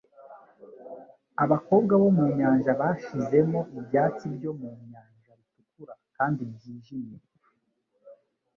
Abakobwa bo mu nyanja bashizemo ibyatsi byo mu nyanja bitukura kandi byijimye